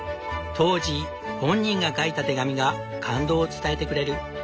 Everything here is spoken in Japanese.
当時本人が書いた手紙が感動を伝えてくれる。